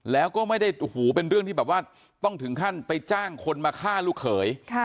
แล้วก็ไม่ได้หูเป็นเรื่องที่แบบว่าต้องถึงขั้นไปจ้างคนมาฆ่าลูกเขย